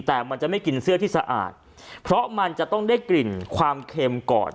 แต่มันจะไม่กินเสื้อที่สะอาดเพราะมันจะต้องได้กลิ่นความเค็มก่อน